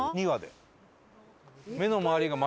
２羽で。